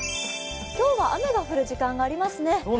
今日は雨が降る時間がありますね。